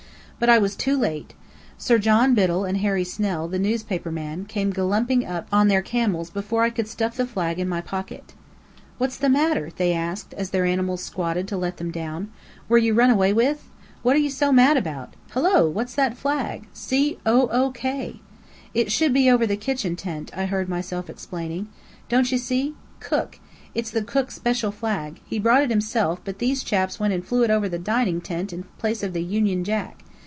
But I was too late. Sir John Biddell and Harry Snell, the newspaper man, came gallumping up on their camels before I could stuff the flag into my pocket. "What's the matter?" they asked, as their animals squatted to let them down. "Were you run away with? What are you so mad about? Hullo! What flag's that C O O K!" "It should be over the kitchen tent," I heard myself explaining. "Don't you see? C O O K! It's the cook's special flag. He brought it himself, but these chaps went and flew it over the dining tent in place of the Union Jack.